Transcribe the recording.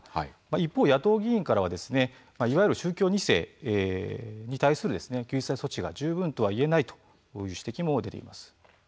一方野党議員からは「いわゆる『宗教２世』に対する救済措置が十分とはいえない」という指摘も出ています。